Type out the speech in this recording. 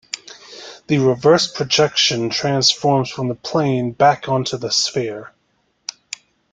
The reverse projection transforms from the plane back onto the sphere.